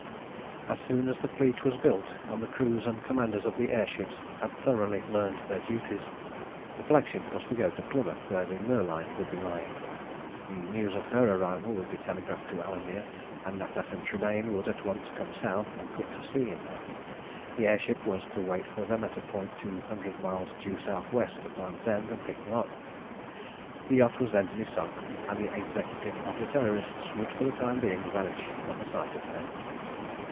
As soon as the fleet was built and the crews and commanders of the air ships had thoroughly learned their duties, the flagship was to go to Plymouth, where the Lurline would be lying. The news of her arrival would be telegraphed to Alanmere, and Natas and Tremayne would at once come south and put to sea in her. The air ship was to wait for them at a point two hundred miles due south west of the Land's End, and pick them up. The yacht was then to be sunk, and the Executive of the Terrorists would for the time being vanish from the sight of men.